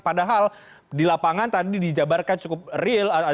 padahal di lapangan tadi dijabarkan cukup real